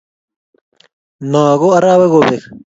noo ko araweekobek.